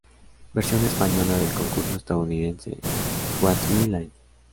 Versión española del concurso estadounidense "What's My Line?